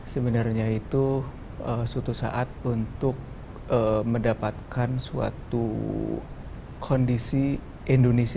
sebenarnya itu suatu saat untuk mendapatkan suatu kondisi indonesia